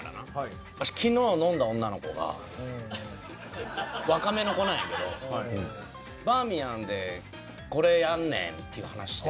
けどワシ若めの子なんやけど「バーミヤン」でこれやんねんっていう話して。